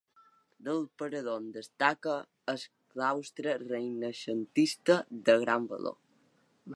Del parador en destaca el claustre renaixentista de gran valor.